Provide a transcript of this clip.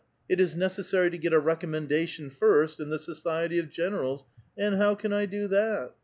It is necessary to get a recommendation first in the society of generals ; and how can I do that?